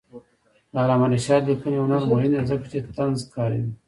د علامه رشاد لیکنی هنر مهم دی ځکه چې طنز کاروي.